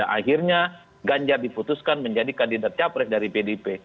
akhirnya ganjar diputuskan menjadi kandidat capres dari pdip